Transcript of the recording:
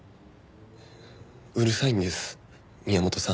うるさいんです宮本さん。